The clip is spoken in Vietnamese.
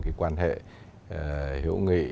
cái quan hệ hữu nghị